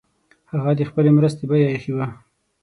هغه د خپلي مرستي بیه ایښې وه.